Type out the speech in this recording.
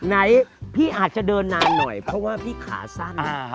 ไหนพี่อาจจะเดินนานหน่อยเพราะว่าพี่ขาสั้น